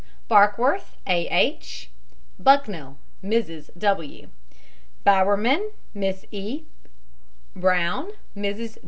BARKWORTH, A. H. BUCKNELL, MRS. W. BOWERMAN, MISS E. BROWN, MRS.